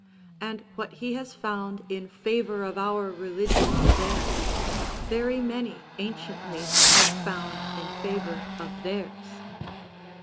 And what he has found in favour of our religion there, very many anciently have found in favour of theirs.